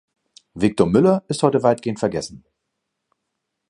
Victor Müller ist heute weitgehend vergessen.